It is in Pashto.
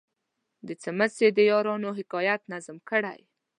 د څمڅې د یارانو حکایت نظم کړی.